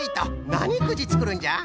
なにくじつくるんじゃ？